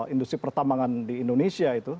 industri pertambangan di indonesia itu